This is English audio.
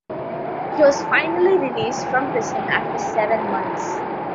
He was finally released from prison after seven months.